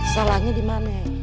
salahnya di mana ya